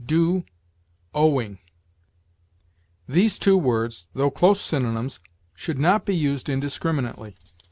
DUE OWING. These two words, though close synonyms, should not be used indiscriminately.